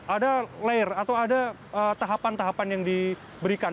ada layer atau ada tahapan tahapan yang diberikan